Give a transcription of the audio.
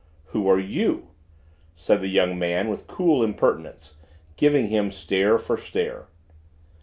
"Who are you?" said the young man with cool impertinence, giving him stare for stare.